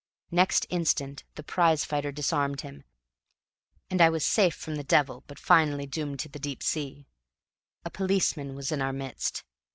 Next instant the prize fighter disarmed him; and I was safe from the devil, but finally doomed to the deep sea. A policeman was in our midst.